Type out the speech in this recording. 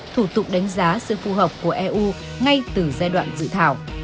thủ tục đánh giá sự phù hợp của eu ngay từ giai đoạn dự thảo